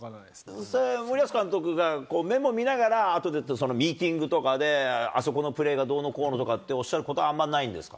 それは森保監督がメモ見ながら、あとでミーティングとかで、あそこのプレーがどうのこうのとかって、おっしゃることはあんまりないんですか。